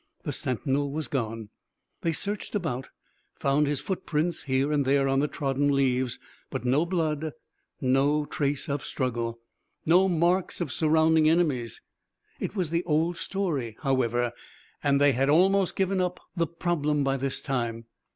The sentinel was gone! They searched about, found his footprints here and there on the trodden leaves, but no blood no trace of struggle, no marks of surrounding enemies. It was the old story, however, and they had almost given up the problem by this time.